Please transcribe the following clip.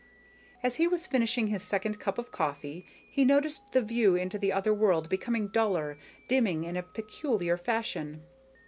As he was finishing his second cup of coffee, he noticed the view into the other world becoming duller, dimming in a peculiar fashion.